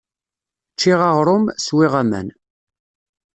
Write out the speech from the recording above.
Ččiɣ aɣrum, swiɣ aman.